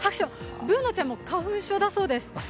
Ｂｏｏｎａちゃんも花粉症だそうです。